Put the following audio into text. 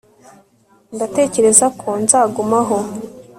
ndatekereza ko nzagumaho